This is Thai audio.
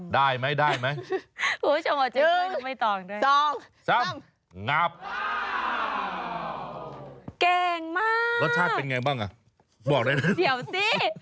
เดี๋ยวสิ